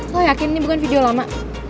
saya yakin ini bukan video lama